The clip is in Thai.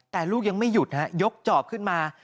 แต่ลูกยังไม่หยุดฮะยกจอบขึ้นมา